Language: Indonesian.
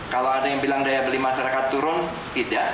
kalau ada yang bilang daya beli masyarakat turun tidak